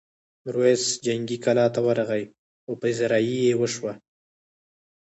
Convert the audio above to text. میرويس جنګي کلا ته ورغی او پذيرايي یې وشوه.